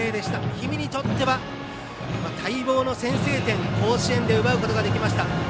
氷見にとっては待望の先制点を甲子園で奪うことができました。